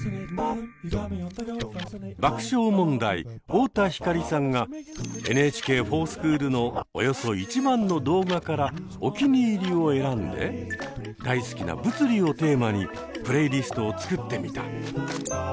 爆笑問題太田光さんが「ＮＨＫｆｏｒＳｃｈｏｏｌ」のおよそ１万の動画からおきにいりを選んで大好きな「物理」をテーマにプレイリストを作ってみた。